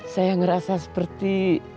saya ngerasa seperti